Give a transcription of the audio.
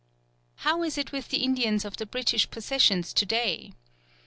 How is it with the Indians of the British Possessions to day?